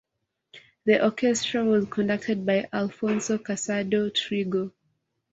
The orchestra was conducted by Alfonso Casado Trigo.